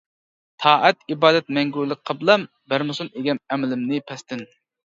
تائەت-ئىبادەت مەڭگۈلۈك قىبلەم، بەرمىسۇن ئىگەم ئەمىلىمنى پەستىن.